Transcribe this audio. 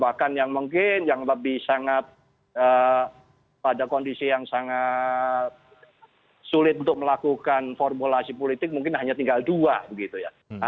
bahkan yang mungkin yang lebih sangat pada kondisi yang sangat sulit untuk melakukan formulasi politik mungkin hanya tinggal dua begitu ya